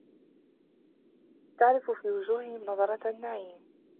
تَعرِفُ في وُجوهِهِم نَضرَةَ النَّعيمِ